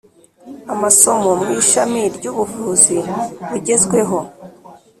amasomo muishami ryubuvuzi bugezweho